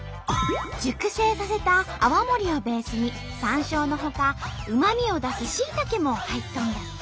熟成させた泡盛をベースにさんしょうのほかうまみを出すしいたけも入っとんじゃって！